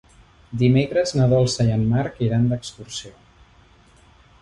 Dimecres na Dolça i en Marc iran d'excursió.